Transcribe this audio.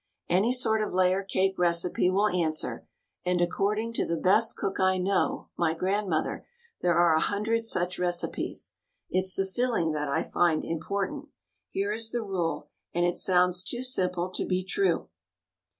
Any sort of layer cake recipe will answer — and, according to the best cook I know, my grandmother — there are a hundred such recipes. It's the filling that I find important. Here is the rule, and it sounds too simple to be true!